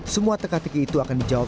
semua teka teki itu akan dijawab